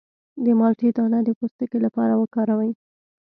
د مالټې دانه د پوستکي لپاره وکاروئ